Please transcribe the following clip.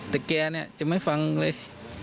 แต่แกเนี่ยจะไม่ฟังเลย